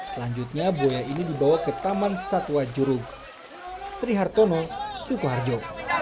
selanjutnya buaya ini dibawa ke taman satwa jurug sri hartono sukoharjo